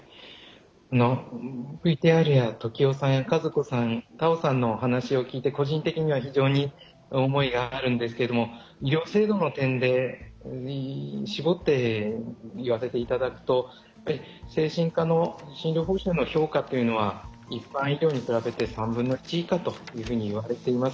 ＶＴＲや時男さんや和子さん田尾さんのお話を聞いて個人的には非常に思いがあるんですけれども医療制度の点で絞って言わせていただくと精神科の診療報酬の評価というのは一般医療に比べて３分の１以下というふうにいわれています。